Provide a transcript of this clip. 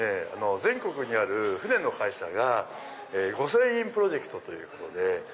全国にある船の会社が御船印プロジェクトということで。